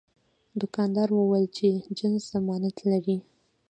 دوکاندار وویل چې جنس ضمانت لري.